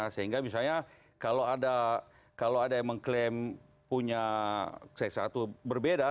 sehingga misalnya kalau ada yang mengklaim punya c satu berbeda